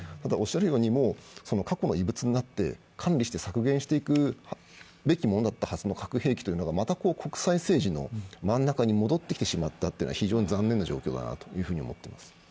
ただ、おっしゃるように過去の異物になって、管理して削減していくべきものだったはずの核兵器がまた国際政治の真ん中に戻ってきてしまったのは非常に残念な状況だと思っています。